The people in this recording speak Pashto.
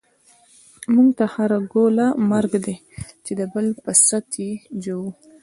موږ ته هره ګوله مرګ دی، چی دبل په ست یی ژوویو